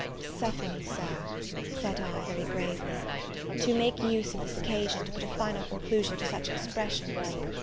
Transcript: "Suffer me, Sir," said I, very gravely, "to make use of this occasion to put a final conclusion to such expressions.